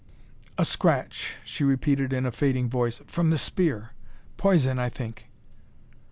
"A scratch," she repeated in a fading voice, "from the spear.... Poison ... I think."